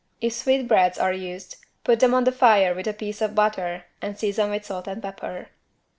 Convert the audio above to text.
If sweetbreads are used, put them on the fire with a piece of butter and season with salt and pepper.